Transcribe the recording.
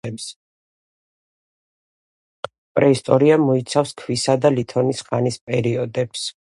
პრეისტორია მოიცავს ქვისა და ლითონის ხანის პერიოდებს.